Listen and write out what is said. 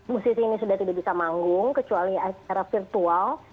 musisi ini sudah tidak bisa manggung kecuali secara virtual